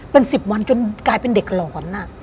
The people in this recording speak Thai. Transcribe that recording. เป็น๑๐วันจนกลายเป็นเด็กหลอน